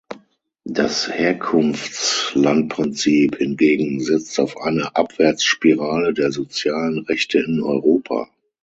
Das Herkunftslandprinzip hingegen setzt auf eine Abwärtsspirale der sozialen Rechte in Europa.